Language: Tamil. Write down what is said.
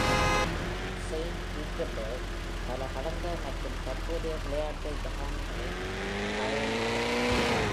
Saint Petersburg பல கடந்த மற்றும் தற்போதைய விளையாட்டு ஐகான்களின் தாயகமாகும்.